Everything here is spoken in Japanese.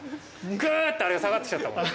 ぐっとあれが下がってきちゃったもん。